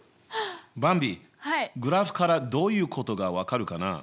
ばんびグラフからどういうことが分かるかな？